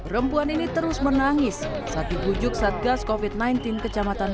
perempuan ini terus menangis saat dibujuk satgas kofit sembilan belas kecamatan